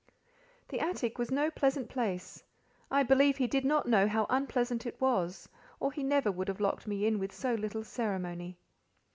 The attic was no pleasant place: I believe he did not know how unpleasant it was, or he never would have locked me in with so little ceremony.